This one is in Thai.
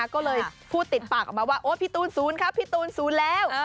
ก็เลยพูดติดปากว่าพี่ตูนศูนย์ครับพี่ตูนศูนย์แล้ว